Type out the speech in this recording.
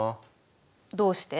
どうして？